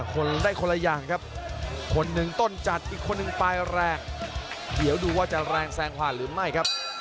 คนได้คนละอย่างครับคนหนึ่งต้นจัดอีกคนหนึ่งปลายแรงเดี๋ยวดูว่าจะแรงแซงผ่านหรือไม่ครับ